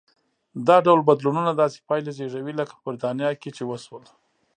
دا ډول بدلونونه داسې پایلې زېږوي لکه په برېټانیا کې چې وشول.